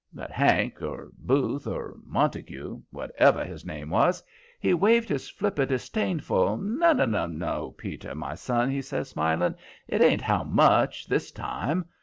But Hank, or Booth, or Montague whatever his name was he waved his flipper disdainful. "Nun nun nun no, Petey, my son," he says, smiling. "It ain't 'how much?' this time.